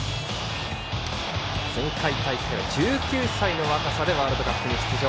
前回大会は１９歳の若さでワールドカップに出場。